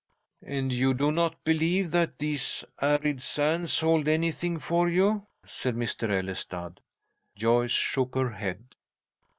"And you do not believe that these 'arid sands' hold anything for you?" said Mr. Ellestad. Joyce shook her head.